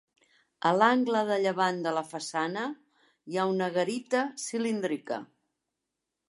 A l'angle de llevant de la façana hi ha una garita cilíndrica.